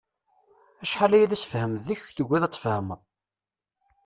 Acḥal aya d asefhem deg-k, tugiḍ ad tfehmeḍ.